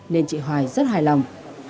nên chị hoài rất hài lòng